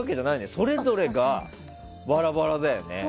それぞれがバラバラだよね。